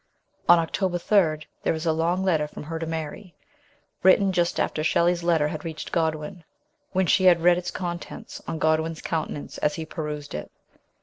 On October 3 there is a long letter from her to Mary, written just after Shelley's letter had reached Godwin, when she had read its con tents on Godwin's countenance as he perused it.